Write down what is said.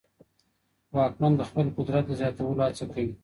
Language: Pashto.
واکمن د خپل قدرت د زياتولو هڅه کوي.